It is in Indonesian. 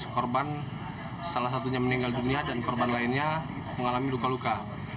tiga belas korban salah satunya meninggal dunia dan korban lainnya mengalami luka luka